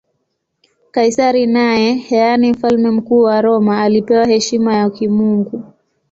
Kaisari naye, yaani Mfalme Mkuu wa Roma, alipewa heshima ya kimungu.